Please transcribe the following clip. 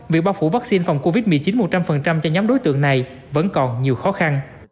việc bao phủ vaccine phòng covid một mươi chín một trăm linh cho nhóm đối tượng này vẫn còn nhiều khó khăn